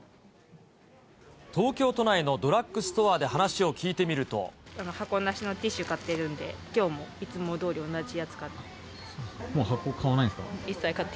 東京都内のドラッグストアで箱なしのティッシュ、買ってるんで、きょうもいつもどおり同じやつ買って。